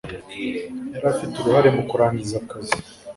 Yari afite uruhare mu kurangiza akazi.